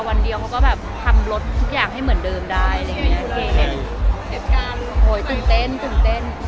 วันเดียวเขาก็แบบทำรถทุกอย่างให้เหมือนเดิมได้อะไรอย่างเงี้ยตื่นเต้นตื่นเต้น